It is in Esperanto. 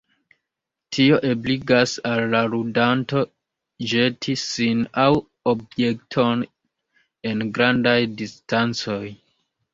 Tio ebligas al la ludanto ĵeti sin aŭ objektojn en grandaj distancoj.